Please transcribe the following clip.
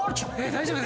大丈夫？